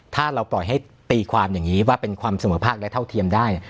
ถ้าเราปล่อยให้ตีความอย่างนี้ว่าเป็นความเสมอภาคและเท่าเทียมได้